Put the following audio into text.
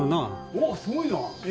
おっすごいな。